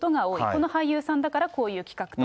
この俳優さんだからこういう企画と。